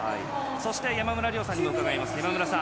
そして山村亮さんにも伺います。